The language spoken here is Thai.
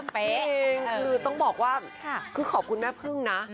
คือต้องบอกว่าคือขอบคุณแม่พึ่งนะ